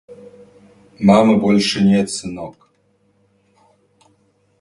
Мамы больше нет, сынок.